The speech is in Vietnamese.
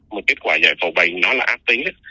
mà kết quả dạy phẫu bệnh nó là ác tính